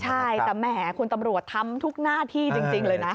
ใช่แต่แหมคุณตำรวจทำทุกหน้าที่จริงเลยนะ